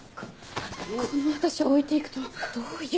この私を置いて行くとはどういう。